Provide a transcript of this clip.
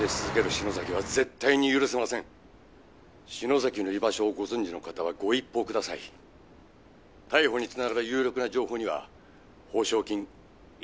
「篠崎の居場所をご存じの方はご一報ください」「逮捕に繋がる有力な情報には報奨金１億円差し上げます」